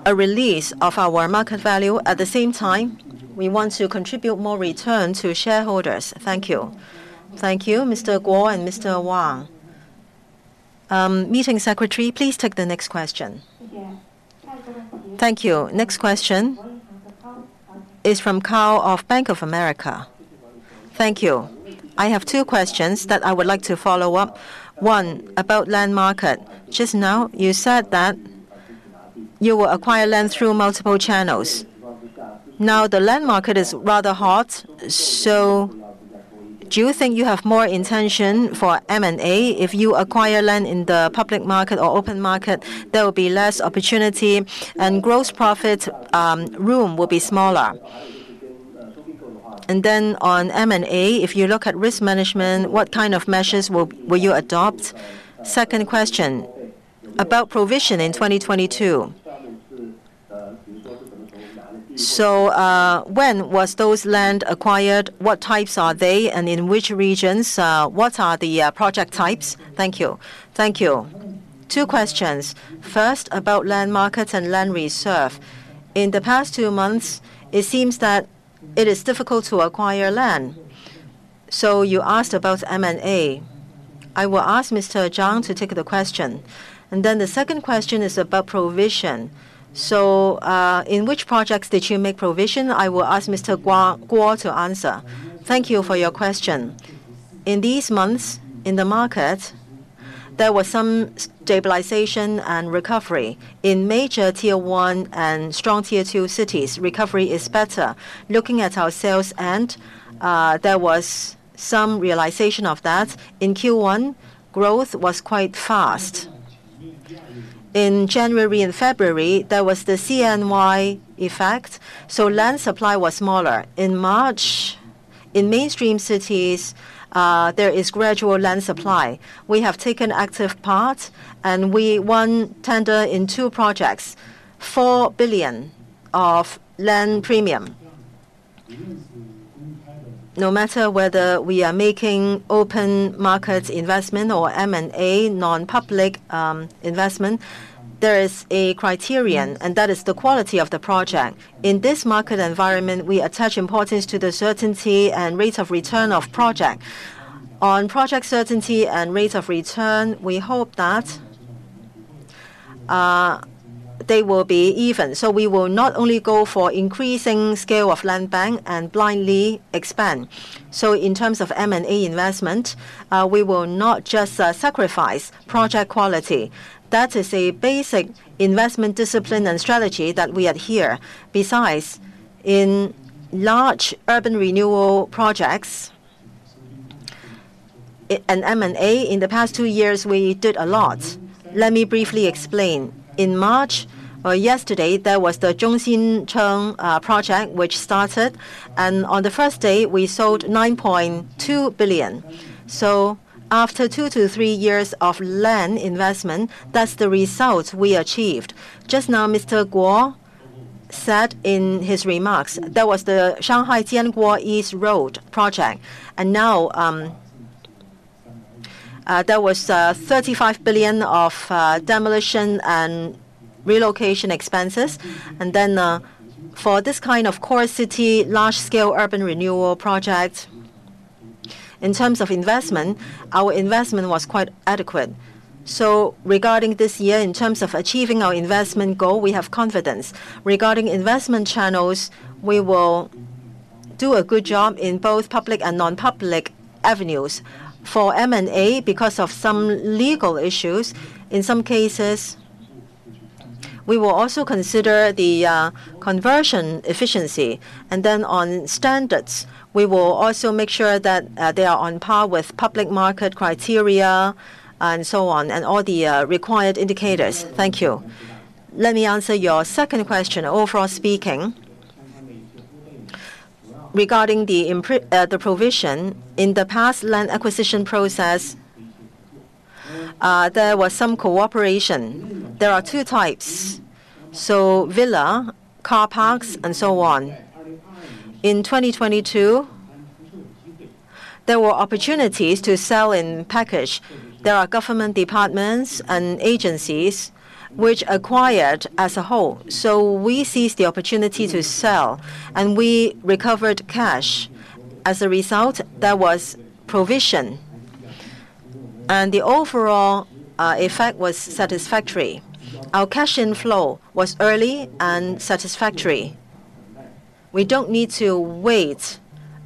[SPEAKER 2] a release of our market value. At the same time, we want to contribute more return to shareholders. Thank you.
[SPEAKER 1] Thank you, Mr. Guo and Mr. Zhang.
[SPEAKER 2] Meeting secretary, please take the next question.
[SPEAKER 1] Yes. Thank you. Next question. Is from Cao of Bank of America.
[SPEAKER 8] Thank you. I have two questions that I would like to follow up. One, about land market. Just now you said that you will acquire land through multiple channels. The land market is rather hot, do you think you have more intention for M&A? If you acquire land in the public market or open market, there will be less opportunity and gross profit room will be smaller. On M&A, if you look at risk management, what kind of measures will you adopt? Second question about provision in 2022. When was those land acquired? What types are they and in which regions? What are the project types? Thank you.
[SPEAKER 3] Thank you. Two questions. First, about land market and land reserve. In the past two months, it seems that it is difficult to acquire land. You asked about M&A. I will ask Mr. Zhang to take the question. The second question is about provision. In which projects did you make provision? I will ask Mr. Guo to answer. Thank you for your question.
[SPEAKER 6] In these months in the market, there was some stabilization and recovery. In major tier one and strong tier two cities, recovery is better. Looking at our sales end, there was some realization of that. In Q1, growth was quite fast. In January and February, there was the CNY effect, so land supply was smaller. In March, in mainstream cities, there is gradual land supply. We have taken active part and we won tender in two projects, 4 billion of land premium. No matter whether we are making open markets investment or M&A non-public investment, there is a criterion, and that is the quality of the project. In this market environment, we attach importance to the certainty and rate of return of project. On project certainty and rate of return, we hope that they will be even. We will not only go for increasing scale of land bank and blindly expand. In terms of M&A investment, we will not just sacrifice project quality. That is a basic investment discipline and strategy that we adhere. Besides, in large urban renewal projects, in M&A in the past two years, we did a lot. Let me briefly explain. In March or yesterday, there was the Zhongxinchang project which started, and on the first day we sold 9.2 billion. After two to three years of land investment, that's the result we achieved. Just now, Mr. Guo said in his remarks that was the Shanghai Jianguo East Road project, there was 35 billion of demolition and relocation expenses. For this kind of core city, large scale urban renewal project, in terms of investment, our investment was quite adequate. Regarding this year, in terms of achieving our investment goal, we have confidence. Regarding investment channels, we will do a good job in both public and non-public avenues. For M&A, because of some legal issues, in some cases, we will also consider the conversion efficiency. On standards, we will also make sure that they are on par with public market criteria and so on, and all the required indicators. Thank you.
[SPEAKER 2] Let me answer your second question. Overall speaking, regarding the provision, in the past land acquisition process, there was some cooperation. There are two types. Villa, car parks, and so on. In 2022, there were opportunities to sell in package. There are government departments and agencies which acquired as a whole. We seized the opportunity to sell and we recovered cash. As a result, there was provision. The overall effect was satisfactory. Our cash flow was early and satisfactory. We don't need to wait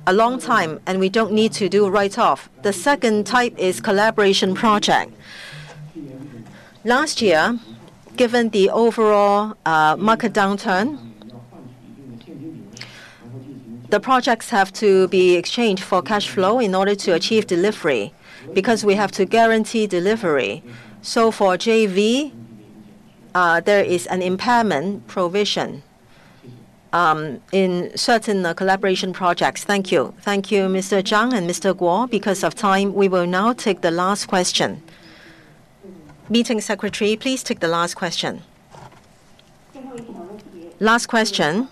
[SPEAKER 2] a long time, and we don't need to do write-off. The second type is collaboration project. Last year, given the overall market downturn, the projects have to be exchanged for cash flow in order to achieve delivery, because we have to guarantee delivery. For JV, there is an impairment provision in certain collaboration projects. Thank you.
[SPEAKER 8] Thank you, Mr. Zhang and Mr. Guo.
[SPEAKER 2] Because of time, we will now take the last question. Meeting secretary, please take the last question.
[SPEAKER 1] Last question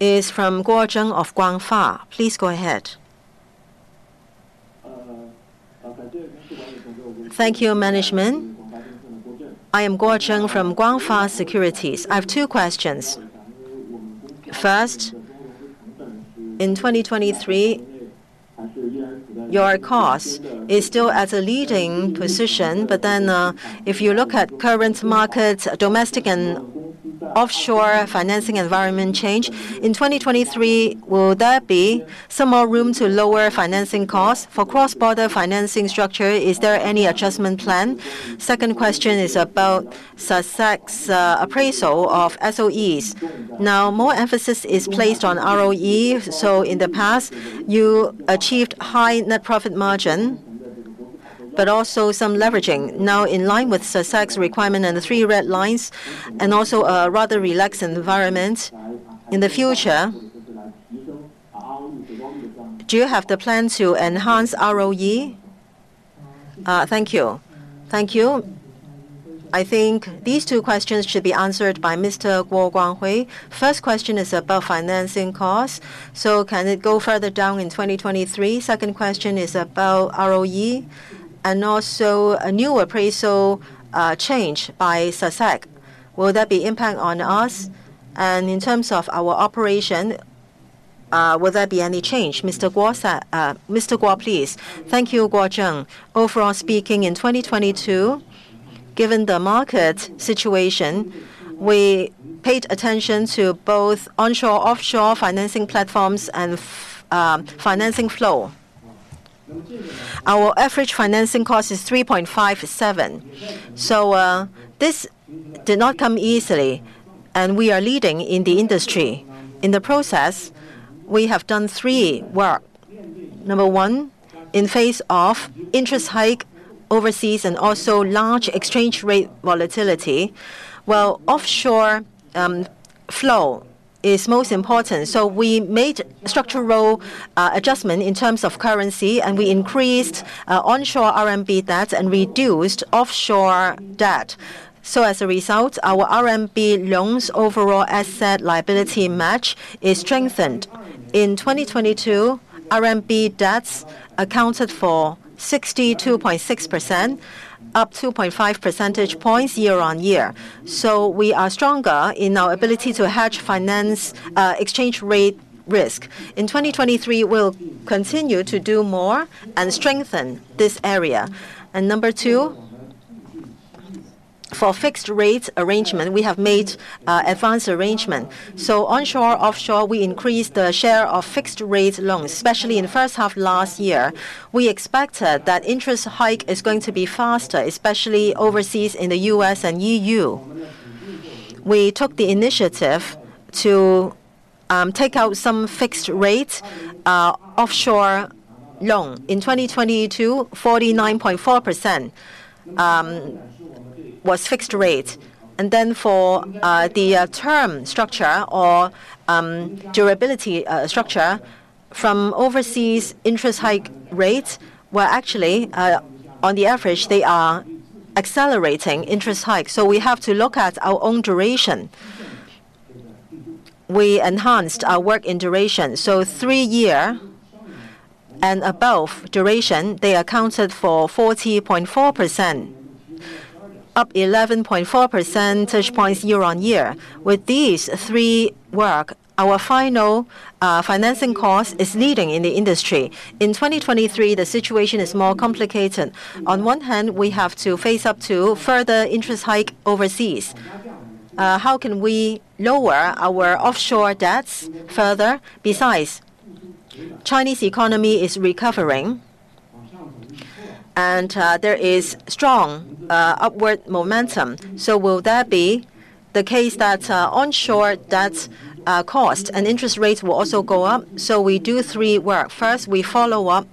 [SPEAKER 1] is from Guo Zheng of Guangfa. Please go ahead.
[SPEAKER 9] Thank you, management. I am Guo Zheng from Guangfa Securities. I have two questions. First, in 2023, your cost is still at a leading position. If you look at current market, domestic and offshore financing environment change, in 2023, will there be some more room to lower financing costs? For cross-border financing structure, is there any adjustment plan? Second question is about SASAC appraisal of SOEs. Now, more emphasis is placed on ROE, so in the past you achieved high net profit margin, but also some leveraging. In line with SASAC requirement and the three red lines and also a rather relaxed environment, in the future, do you have the plan to enhance ROE? Thank you.
[SPEAKER 1] Thank you. I think these two questions should be answered by Mr. Guo Guanghui. First question is about financing costs. Can it go further down in 2023? Second question is about ROE and also a new appraisal change by SASAC, will there be impact on us? In terms of our operation, will there be any change? Mr. Guo, please.
[SPEAKER 2] Thank you, Guo Guanghui. Overall speaking, in 2022, given the market situation, we paid attention to both onshore, offshore financing platforms and financing flow. Our average financing cost is 3.57%. This did not come easily, and we are leading in the industry. In the process, we have done three work. Number one, in face of interest hike overseas and also large exchange rate volatility, while offshore flow is most important. We made structural adjustment in terms of currency, and we increased onshore RMB debt and reduced offshore debt. As a result, our RMB loans overall asset liability match is strengthened. In 2022, RMB debts accounted for 62.6%, up 2.5 percentage points year-on-year. We are stronger in our ability to hedge finance exchange rate risk. In 2023, we'll continue to do more and strengthen this area. Number 2, for fixed rates arrangement, we have made advance arrangement. Onshore, offshore, we increased the share of fixed rate loans, especially in first half last year. We expected that interest hike is going to be faster, especially overseas in the US and EU. We took the initiative to take out some fixed rate offshore loan. In 2022, 49.4% was fixed rate. For the term structure or durability structure from overseas interest hike rates, were actually on the average, they are accelerating interest hikes, so we have to look at our own duration. We enhanced our work in duration. Three year and above duration, they accounted for 40.4%, up 11.4 percentage points year-over-year. With these three work, our final financing cost is leading in the industry. In 2023, the situation is more complicated. On one hand, we have to face up to further interest hike overseas. How can we lower our offshore debts further? Besides, Chinese economy is recovering and there is strong upward momentum. Will there be the case that onshore debts cost and interest rates will also go up? We do three work. First, we follow up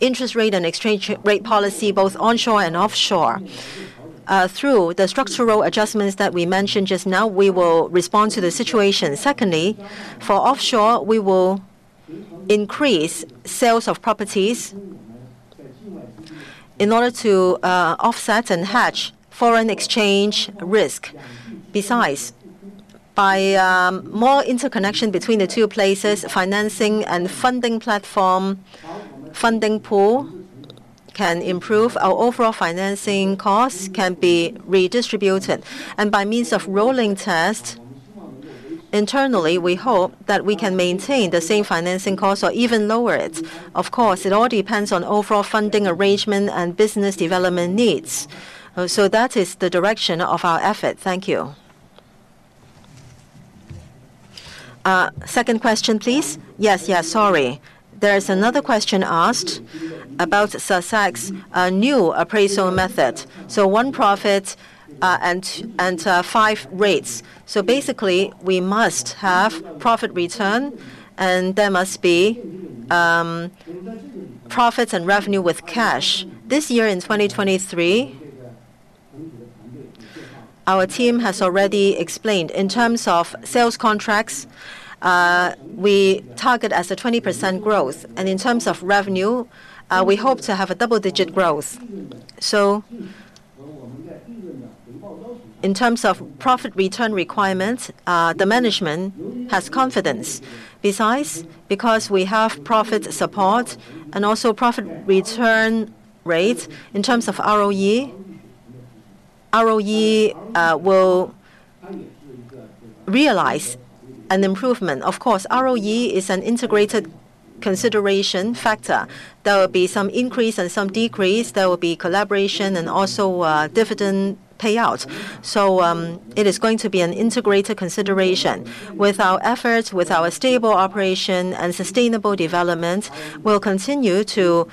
[SPEAKER 2] interest rate and exchange rate policy, both onshore and offshore. Through the structural adjustments that we mentioned just now, we will respond to the situation. Secondly, for offshore, we will increase sales of properties in order to offset and hedge foreign exchange risk. Besides, by more interconnection between the two places, financing and funding platform, funding pool can improve. Our overall financing costs can be redistributed. By means of rolling test, internally, we hope that we can maintain the same financing costs or even lower it. Of course, it all depends on overall funding arrangement and business development needs. That is the direction of our effort. Thank you. Second question, please. Yes, yes. Sorry. There is another question asked about SASAC's new appraisal method. One profit and five rates. Basically, we must have profit return, and there must be profits and revenue with cash. This year in 2023, our team has already explained. In terms of sales contracts, we target as a 20% growth. In terms of revenue, we hope to have a double-digit growth. In terms of profit return requirements, the management has confidence. Because we have profit support and also profit return rates, in terms of ROE will realize an improvement. Of course, ROE is an integrated consideration factor. There will be some increase and some decrease. There will be collaboration and also dividend payouts. It is going to be an integrated consideration. With our efforts, with our stable operation and sustainable development, we'll continue to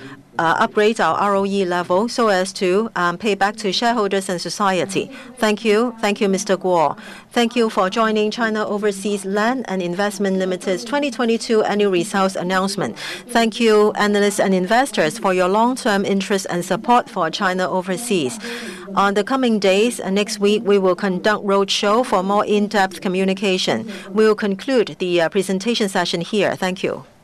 [SPEAKER 2] upgrade our ROE level so as to pay back to shareholders and society. Thank you.
[SPEAKER 1] Thank you, Mr. Guo. Thank you for joining China Overseas Land & Investment Limited's 2022 annual results announcement. Thank you, analysts and investors, for your long-term interest and support for China Overseas. On the coming days and next week, we will conduct roadshow for more in-depth communication. We will conclude the presentation session here. Thank you.